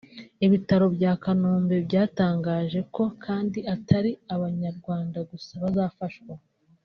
Ibitaro bya Kanombe byatangaje ko kandi atari abanyarwanda gusa bazafashwa